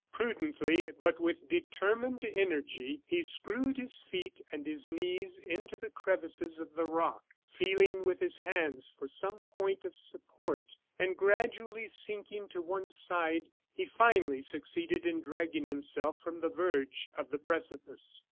Prudently, but with determined energy, he screwed his feet and his knees into the crevices of the rock, feeling with his hands for some point of support, and gradually sinking to one side, he finally succeeded in dragging himself from the verge of the precipice.